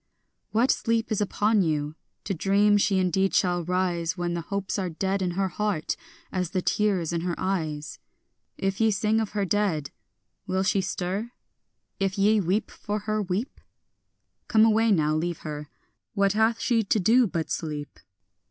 What sleep is upon you, to dream she indeed shall rise, When the hopes are dead in her heart as the tears in her eyes? If ye sing of her dead, will she stir? if ye weep for her, weep? Come away now, leave her; what hath she to do but sleep?